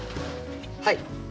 はい。